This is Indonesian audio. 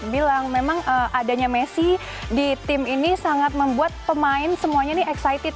bilang memang adanya messi di tim ini sangat membuat pemain semuanya ini excited